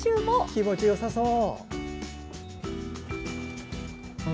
気持ちよさそう！